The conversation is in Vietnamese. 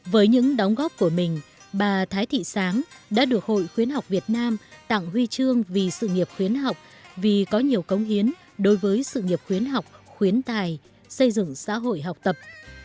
với những đóng góp của mình bà thái thị sáng đã được hội khuyến học việt nam tặng huy chương vì sự nghiệp khuyến học vì có nhiều công hiến đối với sự nghiệp khuyến học khuyến tài xây dựng xã hội học tập